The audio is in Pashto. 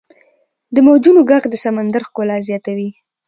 • د موجونو ږغ د سمندر ښکلا زیاتوي.